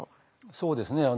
そうですね。